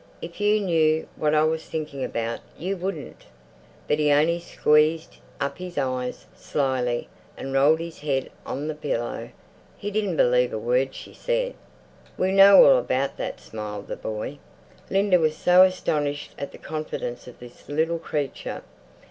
"If you knew what I was thinking about, you wouldn't." But he only squeezed up his eyes, slyly, and rolled his head on the pillow. He didn't believe a word she said. "We know all about that!" smiled the boy. Linda was so astonished at the confidence of this little creature....